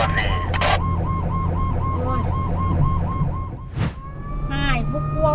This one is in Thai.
ผู้ชีพเราบอกให้สุจรรย์ว่า๒